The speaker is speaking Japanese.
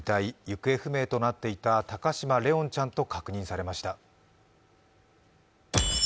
行方不明となっていた高嶋怜音ちゃんと確認されました。